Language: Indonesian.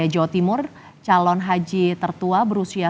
menjadi yang tertua dari jemaah calon haji tahun ini dari indonesia